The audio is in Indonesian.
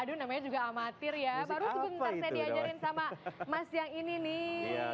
baru segera saya diajarin sama mas yang ini nih